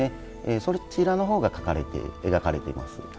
そちらのほうが描かれています。